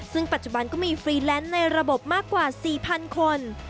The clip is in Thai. ซึ่งปัจจุบันก็มีฟรีแลนซ์ในระบบมากกว่า๔๐๐คน